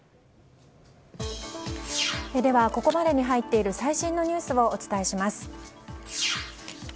ここまでに入っている最新のニュースをお伝えします。